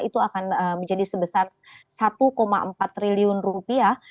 itu akan menjadi sebesar satu empat triliun rupiah